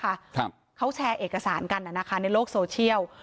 ครับเขาแชร์เอกสารกันน่ะนะคะในโลกโซเชียล